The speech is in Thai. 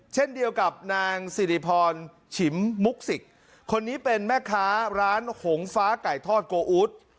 เช่นเดียวกับนางสิริพรฉิมมุกสิกคนนี้เป็นแม่ค้าร้านหงฟ้าไก่ทอดโกอู๊ด